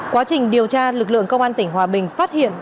quá trình điều tra lực lượng công an tp hcm phát hiện